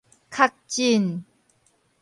確診